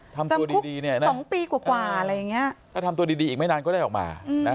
จำคุกสองปีกว่าอะไรอย่างเงี้ยถ้าทำตัวดีอีกไม่นานก็ได้ออกมานะ